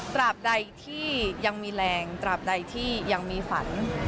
ตราบใดที่ยังมีแรงตราบใดที่ยังมีฝัน